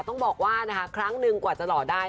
ต้องบอกว่านะคะครั้งหนึ่งกว่าจะหล่อได้